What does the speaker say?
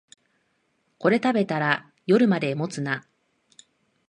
これ食べたら夜まで持つな